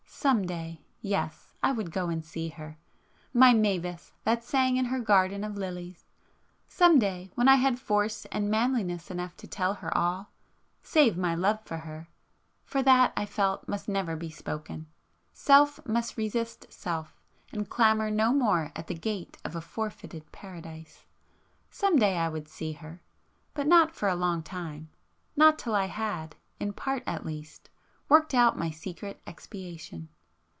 ... Some day, ... yes, ... I would go and see her, ... my Mavis that sang in her garden of lilies,—some day when I had force and manliness enough to tell her all,—save my love for her! For that, I felt, must never be spoken,—Self must resist Self, and clamour no more at the gate of a forfeited Paradise! Some day I would see her, ... but not for a long time, ... not till I had, in part at least, worked out my secret expiation.